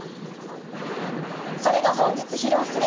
それが本日披露する。